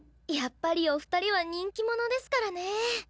やっぱりお二人は人気者ですからねえ。